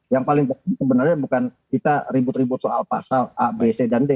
yang paling penting sebenarnya bukan kita ribut ribut soal pasal a b c dan d